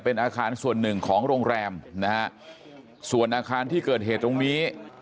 เป็นอาคารส่วนหนึ่งของโรงแรมนะฮะส่วนอาคารที่เกิดเหตุตรงนี้